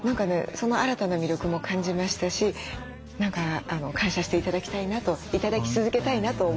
その新たな魅力も感じましたし何か感謝して頂きたいなと頂き続けたいなと思いました。